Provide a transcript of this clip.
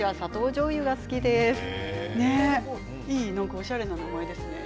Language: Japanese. おしゃれな名前ですね。